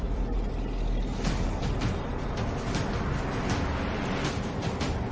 แล้วมันกำลังกลายเปลี่ยนแล้วมันกำลังกลายเปลี่ยน